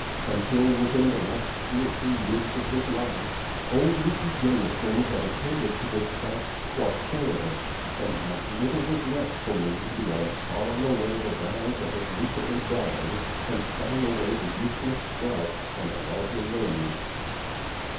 Until within the last two or three years of his life, old Mr. Jamison had attended to this task quite thoroughly; and thus little was left for me beyond sawing away the boughs that had recently died, and cutting out the useless sprouts on the larger limbs.